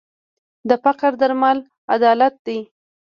د فقر درمل عدالت دی.